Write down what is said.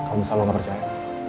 kalau misalnya lo gak percaya